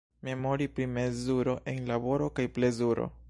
Memori pri mezuro en laboro kaj plezuro.